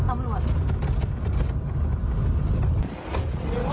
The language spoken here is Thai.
ทาแล้ว